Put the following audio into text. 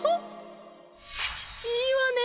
いいわね。